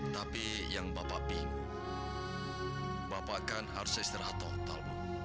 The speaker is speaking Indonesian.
tapi yang bapak bingung bapak kan harus istirahat total